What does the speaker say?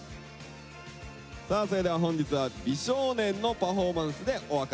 さあそれでは本日は美少年のパフォーマンスでお別れです。